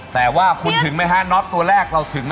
โชคความแม่นแทนนุ่มในศึกที่๒กันแล้วล่ะครับ